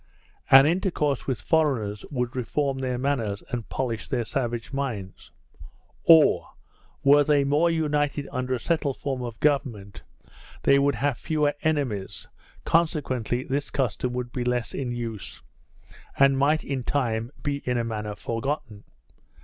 An intercourse with foreigners would reform their manners, and polish their savage minds. Or, were they more united under a settled form of government, they would have fewer enemies, consequently this custom would be less in use, and might in time be in a manner forgotten.